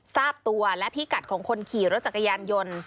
ทราบตัวและพิกัดของคนขี่รถจักรยานยนต์